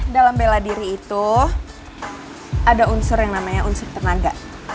dalam bela diri itu ada unsur yang namanya unsur tenaga